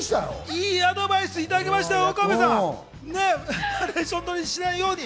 いいアドバイスいただきましたよ。